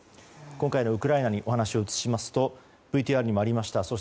今回のウクライナに話を移しますとＶＴＲにもありました。